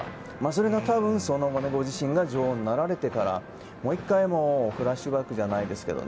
それがその後ご自身が女王になられてからもう１回フラッシュバックじゃないですけど